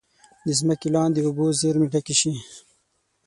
د ځمکې لاندې اوبو زیرمې ډکې شي.